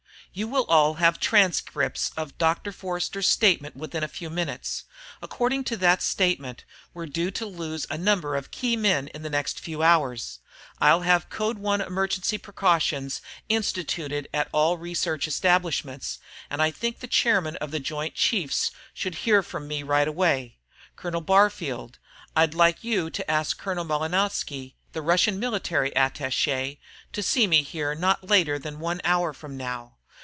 You will all have transcripts of Dr. Forster's statement within a few minutes. According to that statement, we are due to lose a number of key men in the next few hours. I'll have Code One emergency precautions instituted at all research establishments, and I think the chairman of the Joint Chiefs should hear from me right away. Colonel Barfield, I'd like you to ask Colonel Malinowski, the Russian military attaché to see me here not later than an hour from now.